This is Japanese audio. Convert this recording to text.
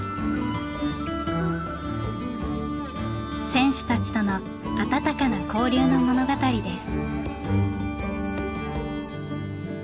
選手たちとの温かな交流の物語です。